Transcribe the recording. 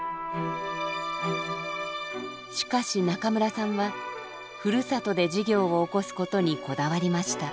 しかし中村さんはふるさとで事業を興すことにこだわりました。